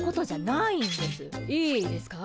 いいですかあ？